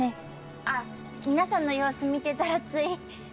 あっ皆さんの様子見てたらつい。